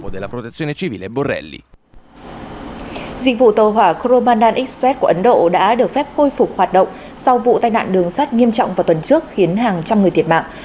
dịch vụ tàu hỏa kromandan express của ấn độ đã được phép khôi phục hoạt động sau vụ tai nạn đường sắt nghiêm trọng vào tuần trước khiến hàng trăm người thiệt mạng